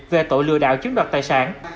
về tội lừa đảo chiếm đoạt tài sản